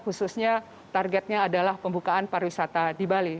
khususnya targetnya adalah pembukaan pariwisata di bali